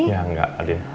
ya enggak ada ya